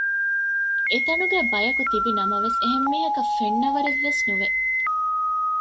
އެތަނުގައި ބަޔަކު ތިބިނަމަވެސް އެހެންމީހަކަށް ފެންނަވަރެއް ވެސް ނުވެ